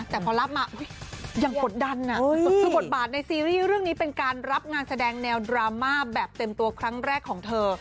แต่พอรับมาอย่างกดดันคือบทบาทในซีรีส์เรื่องนี้เป็นการรับงานแสดงแนวดราม่าแบบเต็มตัวครั้งแรกของเธอ